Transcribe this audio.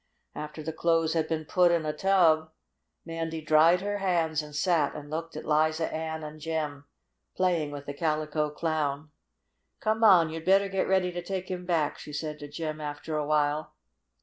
After the clothes had been put to soak in a tub Mandy dried her hands and sat and looked at Liza Ann and Jim playing with the Calico Clown. "Come now, you'd better get ready to take him back," she said to Jim, after a while.